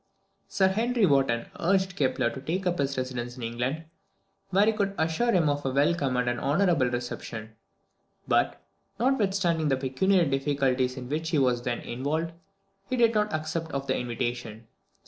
Sir Henry Wotton urged Kepler to take up his residence in England, where he could assure him of a welcome and an honourable reception; but, notwithstanding the pecuniary difficulties in which he was then involved, he did not accept of the invitation.